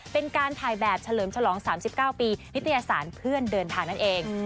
เป็นการถ่ายแบบเฉลิมฉลอง๓๙ปีนิตยสารเพื่อนเดินทางนั่นเอง